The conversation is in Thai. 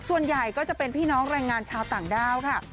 ส่วนใหญ่ก็จะเป็นพี่น้องแรงงานชาวต่างด้าวค่ะ